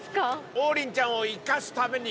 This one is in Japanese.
王林ちゃんを生かすために。